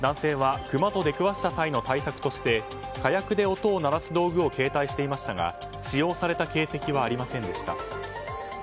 男性はクマと出くわした際の対策として火薬で音を鳴らす道具を携帯していましたが使用された形跡はありませんでした。